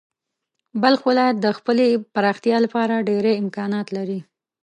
بلخ ولایت د خپلې پراختیا لپاره ډېری امکانات لري.